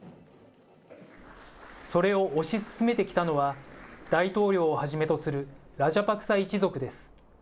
それを推し進めてきたのは、大統領をはじめとするラジャパクサ一族です。